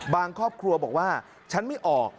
ครอบครัวบอกว่าฉันไม่ออก